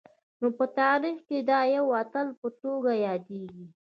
نو په تاریخ کي د یوه اتل په توګه یادیږي